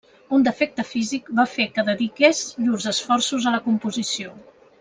Un defecte físic va fer que dediques llurs esforços a la composició.